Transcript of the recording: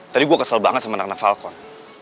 tadi gue kesel banget sama anak anak falcon